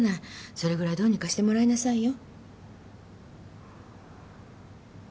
それぐらいどうにかしてもらいなさいよ。